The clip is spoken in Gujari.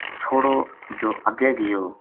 تھوڑو جو اَگے گیو